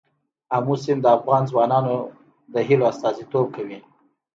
آمو سیند د افغان ځوانانو د هیلو استازیتوب کوي.